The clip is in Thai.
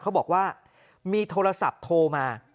เขาบอกว่ามีโทรศัพท์โทรมา